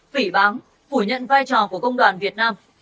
phỉ báng phủ nhận vai trò của công đoàn việt nam